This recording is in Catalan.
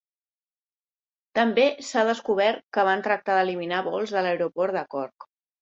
També s'ha descobert que van tractar d'eliminar vols de l'aeroport de Cork.